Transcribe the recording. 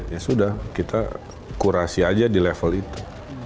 ya sudah kita kurasi aja di level itu